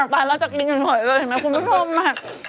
ตายแล้วจะกินกันหน่อยเลยคุณผู้ชมค่ะ